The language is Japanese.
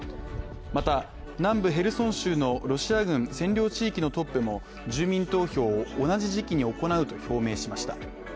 また南部ヘルソン州のロシア軍占領地域のトップも住民投票を同じ時期に行うと表明しました。